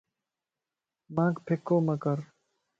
مانک پڪو مَ مڪر